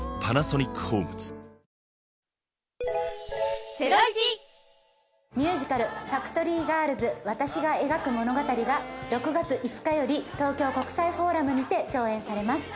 日テレ系がミュージカル『ＦＡＣＴＯＲＹＧＩＲＬＳ私が描く物語』が６月５日より東京国際フォーラムにて上演されます。